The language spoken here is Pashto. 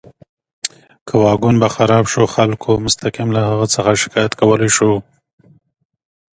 که واګون به خراب شو، خلکو مستقیم له هغه څخه شکایت کولی شو.